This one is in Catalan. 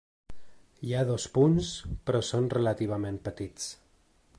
Hi ha dos punts, però són relativament petits.